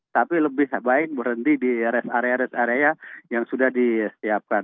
tapi lebih baik berhenti di rest area rest area yang sudah disiapkan